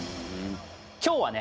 今日はね